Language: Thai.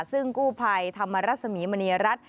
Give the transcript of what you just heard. ซึ่งกู้ภัยธรรมรสมีมณีรัฐ